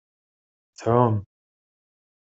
Tɛum.